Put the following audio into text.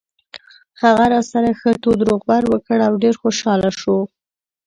هغه راسره ښه تود روغبړ وکړ او ډېر خوشاله شو.